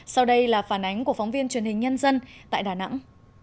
sau đây là phản ánh của phóng viên truyền hình nhân dân tại đà nẵng